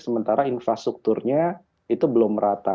sementara infrastrukturnya itu belum rata